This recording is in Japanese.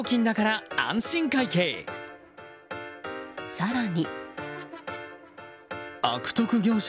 更に。